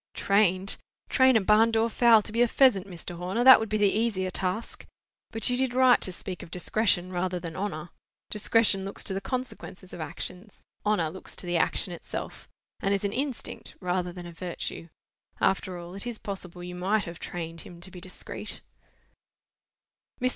"Trained! Train a barn door fowl to be a pheasant, Mr. Horner! That would be the easier task. But you did right to speak of discretion rather than honour. Discretion looks to the consequences of actions—honour looks to the action itself, and is an instinct rather than a virtue. After all, it is possible you might have trained him to be discreet." Mr.